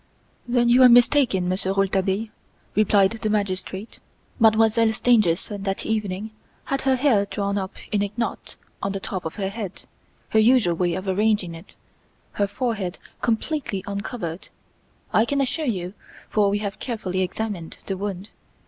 "Then you are mistaken, Monsieur Rouletabille," replied the magistrate; "Mademoiselle Stangerson that evening had her hair drawn up in a knot on the top of her head, her usual way of arranging it her forehead completely uncovered. I can assure you, for we have carefully examined the wound.